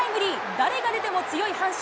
誰が出ても強い阪神。